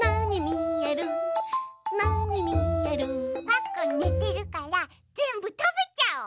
パックンねてるからぜんぶたべちゃおう！